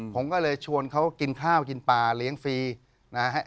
ผมก็เลยชวนเขากินข้าวกินปลาเลี้ยงฟรีนะฮะ